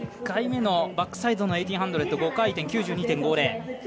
１回目のバックサイドの１８００５回転、９２．５０。